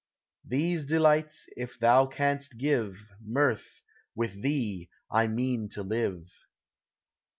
These delights if thou canst give, Mirth, with thee I mean to live.